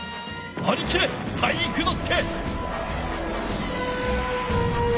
はりきれ体育ノ介！